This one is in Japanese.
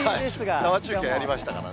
生中継やりましたからね。